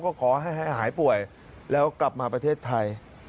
ก็ขอให้หายป่วยแล้วกลับมาประเทศไทย